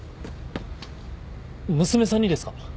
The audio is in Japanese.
娘さんにですか？